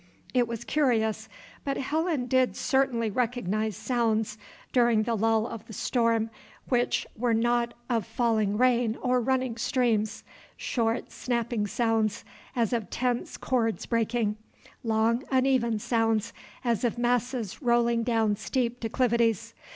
It was curious, but Helen did certainly recognize sounds, during the lull of the storm, which were not of falling rain or running streams, short snapping sounds, as of tense cords breaking, long uneven sounds, as of masses rolling down steep declivities.